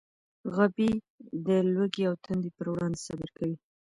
غابي د لوږې او تندې پر وړاندې صبر کوي.